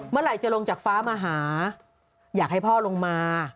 เมื่อไหร่จะลงจากฟ้ามาหาอยากให้พ่อลงมา